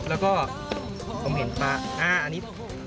แล้วก็ผมเห็นป๊าอันนี้